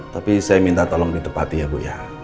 tapi saya minta tolong ditepati ya bu ya